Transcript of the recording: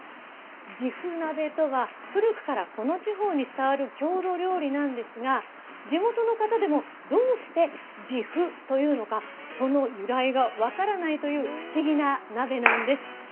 じふ鍋とは古くからこの地方に伝わる郷土料理なんですが、地元の方でも、どうして「じふ」と言うのかその由来が分からないという不思議な鍋なんです。